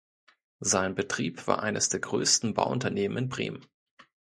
Sein Betrieb war eines der größten Bauunternehmen in Bremen.